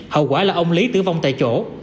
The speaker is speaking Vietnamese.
hậu quả là ông lý tử vong tại chỗ